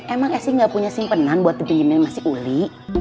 emang esing gak punya simpenan buat dipinjemin sama si uli